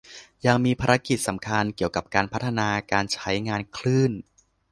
ยังมีภารกิจสำคัญเกี่ยวกับการพัฒนาการใช้งานคลื่น